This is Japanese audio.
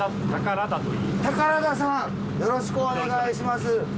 宝田さんよろしくお願いします。